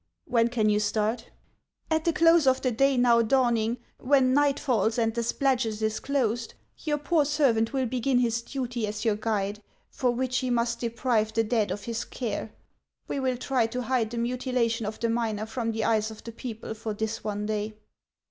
" When can you start ?"" At the close of the day now dawning, when night falls and the Spladgest is closed, your poor servant will begin his duties as your guide, for which he must deprive the dead of his care. We will try to hide the mutilation of the miner from the eyes of the people for this one day."